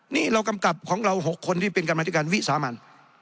นี่เรากำกับของเรา๖คนที่เป็นกรรมธิการวิสามัน